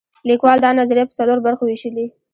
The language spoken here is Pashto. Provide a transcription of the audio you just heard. لیکوال دا نظریه په څلورو برخو ویشلې.